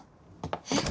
えっ？